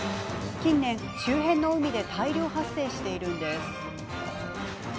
近年、周辺の海で大量発生しているんです。